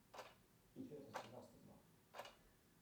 Ich will etwas Gymnastik machen.